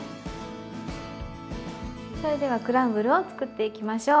それではクランブルを作っていきましょう。